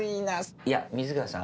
いや水川さん